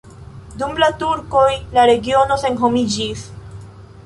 Dum la turkoj la regiono senhomiĝis.